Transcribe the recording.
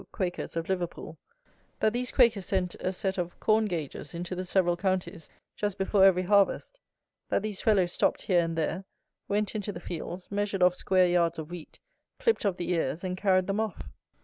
Quakers, of Liverpool, that these Quakers sent a set of corn gaugers into the several counties, just before every harvest; that these fellows stopped here and there, went into the fields, measured off square yards of wheat, clipped off the ears, and carried them off.